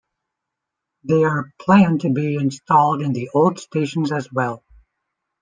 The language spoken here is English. They are planned to be installed in the old stations as well.